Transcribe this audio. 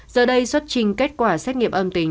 giờ đây xuất trình kết quả xét nghiệm âm tính